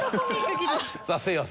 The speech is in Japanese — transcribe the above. さあせいやさん。